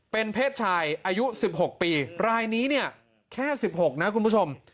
เป็นเพศชายอายุ๑๖ปีรายนี้เนี่ยแค่๑๖นะคุณผู้ชม